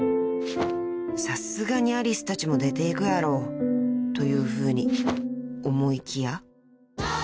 さすがにアリスたちも出ていくやろというふうに思いきや］